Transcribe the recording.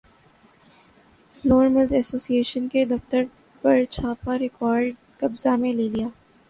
floor mills association کے دفترپر چھاپہ ریکارڈ قبضہ میں لے لیا